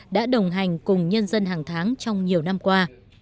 đã đồng hành cùng nhân dân hàng tháng trong nhiều năm qua